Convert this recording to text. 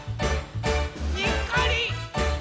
「にっこり」